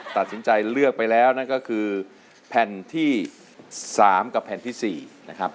ตัดสินใจเลือกไปแล้วนั่นก็คือแผ่นที่๓กับแผ่นที่๔นะครับ